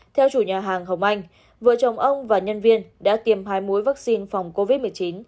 theo chủ nhà hàng hồng anh vợ chồng ông và nhân viên đã tiêm hai mũi vaccine phòng covid một mươi chín